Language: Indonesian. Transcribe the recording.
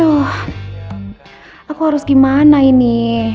aduh aku harus gimana ini